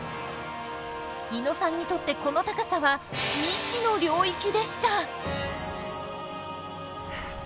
猪野さんにとってこの高さは未知の領域でした。